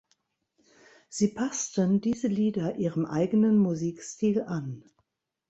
Sie passten diese Lieder ihrem eigenen Musikstil an.